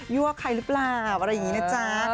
ั่วใครหรือเปล่าอะไรอย่างนี้นะจ๊ะ